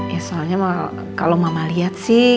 ya soalnya kalau mama lihat sih